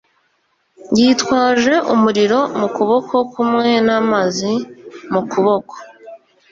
yitwaje umuriro mu kuboko kumwe n'amazi mu kuboko.